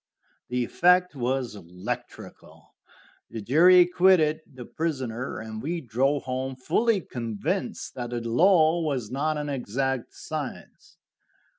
The effect was electrical; the jury acquitted the prisoner, and we drove home fully convinced that the law was not an exact science.